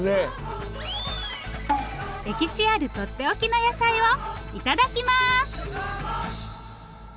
歴史あるとっておきの野菜をいただきます。